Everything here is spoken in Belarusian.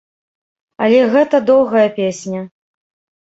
Але гэта доўгая песня.